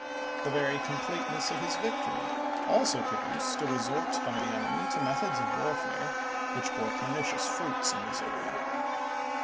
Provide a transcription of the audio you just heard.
The very completeness of his victory also produced a resort by the enemy to methods of warfare which bore pernicious fruits in Missouri.